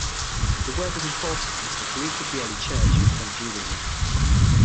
The word was imported into the Greek of the early Church from Judaism.